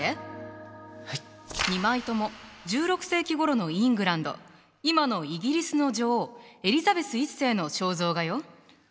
２枚とも１６世紀ごろのイングランド今のイギリスの女王エリザベス１世の肖像画よ。